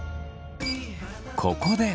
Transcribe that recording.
ここで。